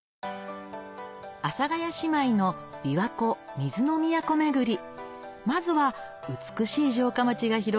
阿佐ヶ谷姉妹の琵琶湖水の都めぐりまずは美しい城下町が広がる